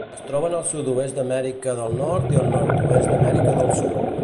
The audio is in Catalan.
Es troben al sud-oest d'Amèrica del Nord i el nord-oest d'Amèrica del Sud.